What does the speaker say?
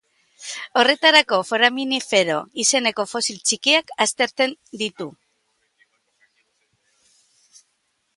Horretarako foraminifero izeneko fosil txikiak aztertzen ditu.